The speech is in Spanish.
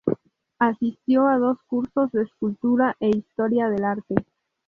Asistió a dos cursos de escultura e Historia del arte.